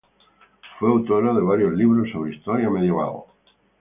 Fue autora de varios libros sobre historia medieval.